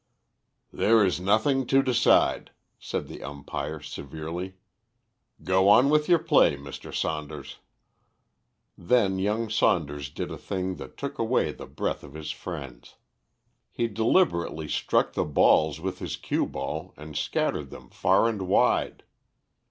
"There is nothing to decide," said the umpire, severely. "Go on with your play, Mr. Saunders." Then young Saunders did a thing that took away the breath of his friends. He deliberately struck the balls with his cue ball and scattered them far and wide.